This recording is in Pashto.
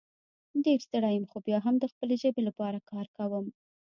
ډېر ستړی یم خو بیا هم د خپلې ژبې لپاره کار کوم